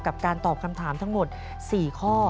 การตอบคำถามทั้งหมด๔ข้อ